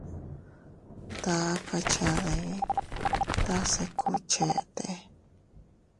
Taka cha dii tase kubchete.